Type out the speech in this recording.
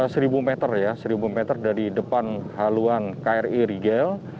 seribu meter ya seribu meter dari depan haluan kri rigel